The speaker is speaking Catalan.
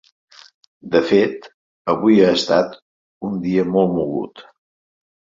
De fet, avui ha estat un dia molt mogut.